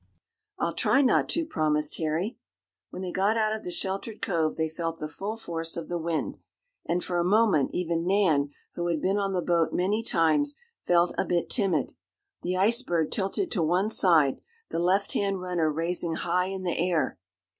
"I'll try not to," promised Harry. When they got out of the sheltered cove they felt the full force of the wind, and for a moment even Nan, who had been on the boat many times, felt a bit timid. The Ice Bird tilted to one side, the left hand runner raising high in the air.